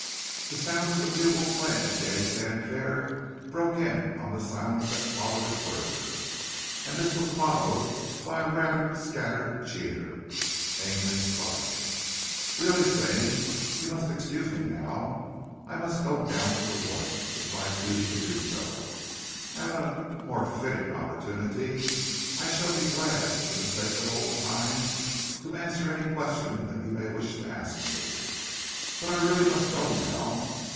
The sound of the bugle playing a gay fanfare broke in on the silence that followed his words, and this was followed by a rather scattered cheer. Ainley started. "Really, Stane, you must excuse me just now; I must go down to the wharf it is my duty to do so. At er a more fitting opportunity I shall be glad for the sake of old times, to answer any question that you may wish to ask me. But I really must go now.